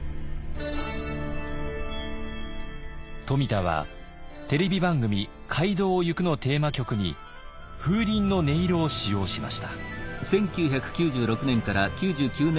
冨田はテレビ番組「街道をゆく」のテーマ曲に風鈴の音色を使用しました。